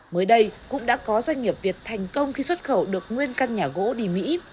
mới đây cũng đã có doanh nghiệp việt thành công khi xuất khẩu được nguyên căn nhà gỗ đi mỹ